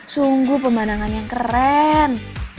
sungguh pemandangan yang keren